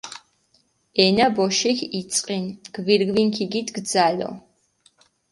ენა ბოშიქ იწყინჷ, გირგვინი ქიგიდგჷ ძალო.